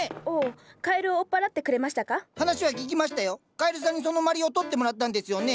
カエルさんにそのまりを取ってもらったんですよね？